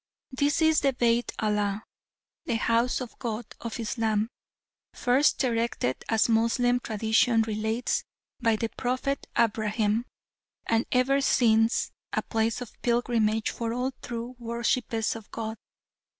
This is the Beit Allah, the "House of God" of Islam, first erected, as Moslem tradition relates, by the Prophet Abrahim, and ever since a place of pilgrimage for all true worshippers of God.